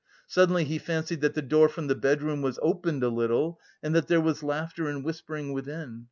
Suddenly he fancied that the door from the bedroom was opened a little and that there was laughter and whispering within.